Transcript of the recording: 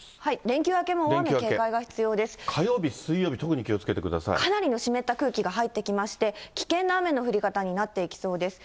連休明けも大雨、火曜日、水曜日、かなりの湿った空気が入ってきまして、危険な雨の降り方になっていきそうです。